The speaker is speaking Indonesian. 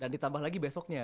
dan ditambah lagi besoknya